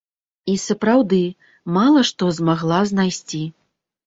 І, сапраўды, мала што змагла знайсці.